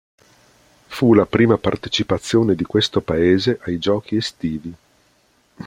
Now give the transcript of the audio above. Fu la prima partecipazione di questo paese ai Giochi estivi.